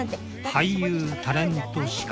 俳優タレント司会。